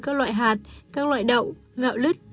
các loại hạt các loại đậu gạo lứt